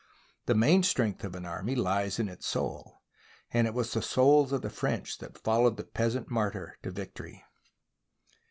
The main strength of an army lies in its soul; and it was the souls of the French that followed the Peasant Martyr to vic tory.